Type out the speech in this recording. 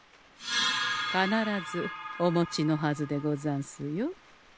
必ずお持ちのはずでござんすよ。